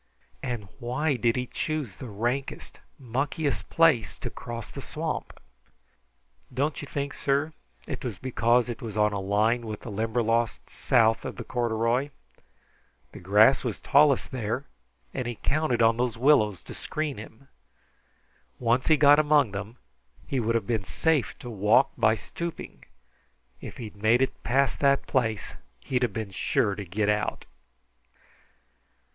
And why did he choose the rankest, muckiest place to cross the swamp?" "Don't you think, sir, it was because it was on a line with the Limberlost south of the corduroy? The grass was tallest there, and he counted on those willows to screen him. Once he got among them, he would have been safe to walk by stooping. If he'd made it past that place, he'd been sure to get out."